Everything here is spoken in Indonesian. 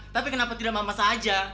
tapi kenapa tidak mama saja